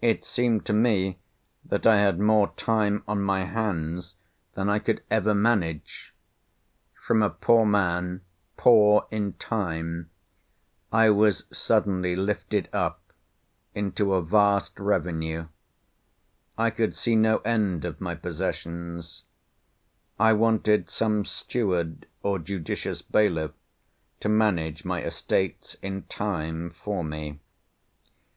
It seemed to me that I had more time on my hands than I could ever manage. From a poor man, poor in Time, I was suddenly lifted up into a vast revenue; I could see no end of my possessions; I wanted some steward, or judicious bailiff, to manage my estates in Time for me.